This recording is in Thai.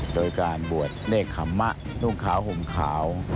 โดยการบวชเนกขมะนุ่งขาวห่มขาว